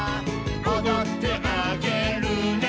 「おどってあげるね」